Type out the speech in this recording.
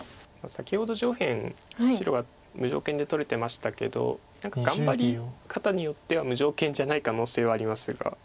先ほど上辺白が無条件で取れてましたけど頑張り方によっては無条件じゃない可能性はありますが。